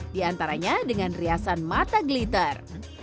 di antaranya dengan riasan mata glitter